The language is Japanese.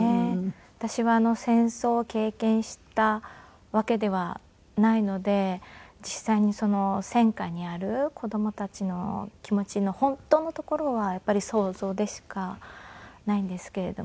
私は戦争を経験したわけではないので実際に戦火にある子供たちの気持ちの本当のところはやっぱり想像でしかないんですけれども。